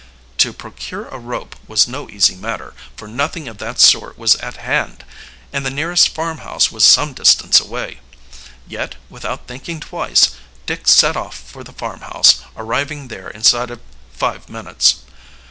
To procure a rope was no easy matter, for nothing of that sort was at hand, and the nearest farmhouse was some distance away. Yet, without thinking twice, Dick set off for the farmhouse, arriving there inside of five minutes.